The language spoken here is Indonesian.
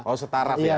oh setarap ya